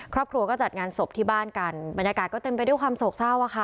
ครอบครัวก็จัดงานศพที่บ้านกันบรรยากาศก็เต็มไปด้วยความโศกเศร้าอ่ะค่ะ